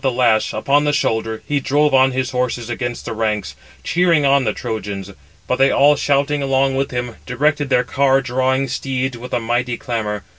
So saying, with the lash upon the shoulder he drove on his horses against the ranks, cheering on the Trojans; but they all shouting along with him, directed their car drawing steeds with a mighty clamour.